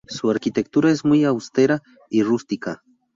Su arquitectura es muy austera y rústica.